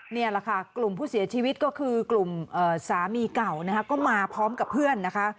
นี่แหละค่ะกลุ่มผู้เสียชีวิตก็คือกลุ่มสามีเก่านะคะก็มาพร้อมกับเพื่อนนะคะ